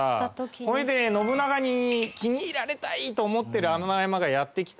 それで「信長に気に入られたい」と思ってる穴山がやって来た。